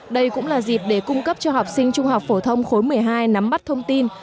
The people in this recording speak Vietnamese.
đây cũng là dịp để cung cấp cho học sinh trung học phổ thông khối một mươi hai nắm bắt thông tin